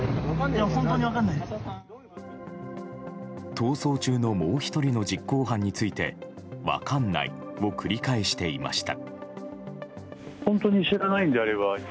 逃走中のもう１人の実行犯について分かんないを繰り返していました。